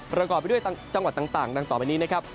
ประกอบไปด้วยจังหวัดต่างดังต่อไปนี้นะครับ